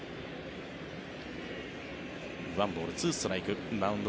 １ボール２ストライクマウンド